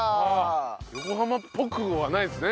横浜っぽくはないですね。